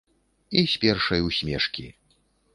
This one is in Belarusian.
І з першай усмешкі.